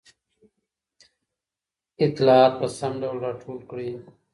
اطلاعات په سم ډول راټول کړئ.